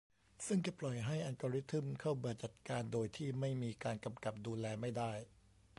ซึ่งจะปล่อยให้อัลกอริทึมเข้ามาจัดการโดยที่ไม่มีการกำกับดูแลไม่ได้